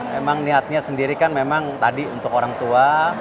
memang niatnya sendiri kan memang tadi untuk orang tua